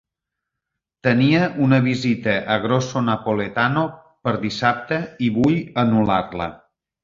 Tenia una visita a Grosso Napoletano per dissabte i vull anul·lar-la.